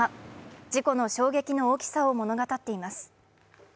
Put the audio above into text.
事故の衝撃の大きさを物語っています。